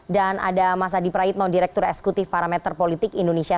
dan ada mas adi praitno direktur eksekutif parameter politik indonesia